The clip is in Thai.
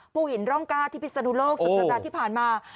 บุหินร่องกาธิพิสันุโลกสักสัปดาห์ที่ผ่านมา